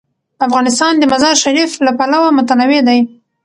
افغانستان د مزارشریف له پلوه متنوع دی.